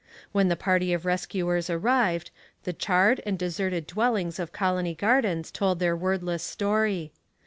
When the party of rescuers arrived, the charred and deserted dwellings of Colony Gardens told their wordless story.